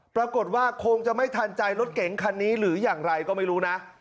ปรากฏว่าคงจะไม่ทันใจรถเก๋งคันนี้หรืออย่างไรก็ไม่รู้นะ